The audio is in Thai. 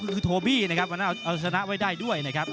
ก็คือโทบี้นะครับวันนั้นเอาชนะไว้ได้ด้วยนะครับ